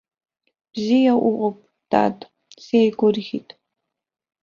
Бзиа уҟоуп, дад, сеигәырӷьеит.